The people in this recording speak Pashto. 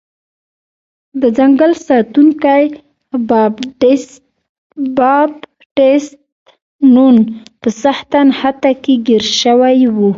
د ځنګل ساتونکی بابټیست نون په سخته نښته کې ګیر شوی و.